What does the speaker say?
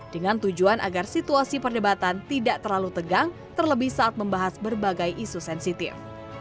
dengan tujuan agar situasi perdebatan tidak terlalu tegang terlebih saat membahas berbagai isu sensitif